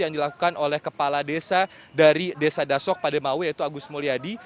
yang dilakukan oleh kepala desa dari desa dasok pademawe yaitu agus mulyadi